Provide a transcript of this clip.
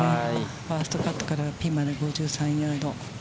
ファーストカットからピンまで５３ヤード。